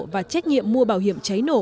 và trách nhiệm mua bảo hiểm cháy nổ